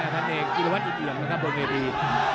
อ๋อธันเนกอิรวัติอิ่มนะครับบนเมรี